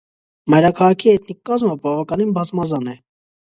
Մայրաքաղաքի էթնիկ կազմը բավականին բազմազան է։